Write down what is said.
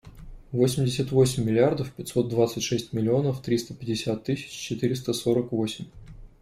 Восемьдесят восемь миллиардов пятьсот двадцать шесть миллионов триста пятьдесят тысяч четыреста сорок восемь.